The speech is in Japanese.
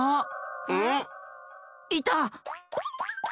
⁉いた！